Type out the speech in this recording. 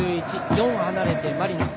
４離れてマリノス。